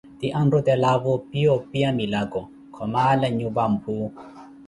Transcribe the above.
Ti anrutelaavo opiya opiya milako, khoomala nyupa mphu.